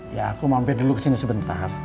ya aku mampir dulu kesini sebentar